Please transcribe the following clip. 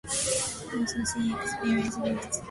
Also see Experience gifts.